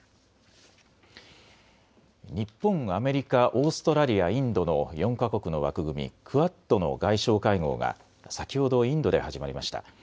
日本、アメリカ、オーストラリア、インドの４か国の枠組み・クアッドの外相会合が先ほどインドで始まりました。